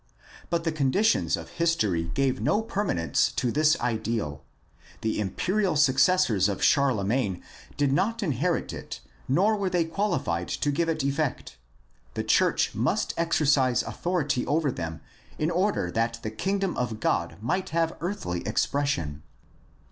But the conditions of history gave no permanence to this ideal. The imperial successors of Charlemagne did not inherit it nor were they qualified to give it effect. The church must exercise authority over them in order that the Kingdom of God might have earthly expression.